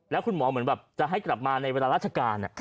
แล้วคุณหมอเหมือนแบบจะให้กลับมาในเวลาราชการ